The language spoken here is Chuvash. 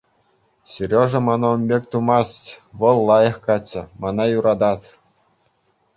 Сережа мана ун пек тумасть, вӑл лайӑх каччӑ, мана юратать.